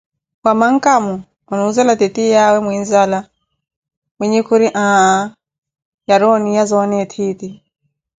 Wa mankamo? Onuzeela titiya wa muinzala. Mwinhe khuri aaa yariwa oniya zona etthiipi